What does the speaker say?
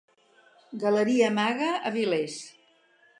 Galeria Amaga, Avilés.